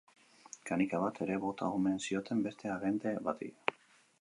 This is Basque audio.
Kanika bat ere bota omen zioten beste agente bati.